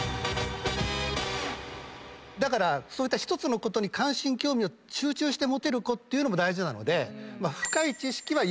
だからそういった１つのことに関心興味を集中して持てる子っていうのも大事なので。